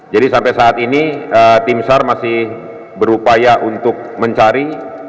jadi sampai saat ini tim sar masih berupaya untuk mencari